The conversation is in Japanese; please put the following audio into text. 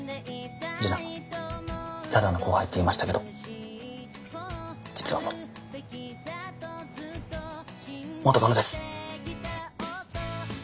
樹菜ただの後輩って言いましたけど実はその元カノです。